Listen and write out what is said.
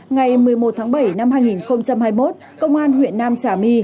ngày một mươi một tháng bảy năm hai nghìn hai mươi một công an huyện nam trà my